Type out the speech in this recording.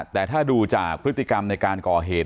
แต่ถ้าดูจากพฤติกรรมในการก่อเหตุ